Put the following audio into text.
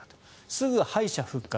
すぐ敗者復活。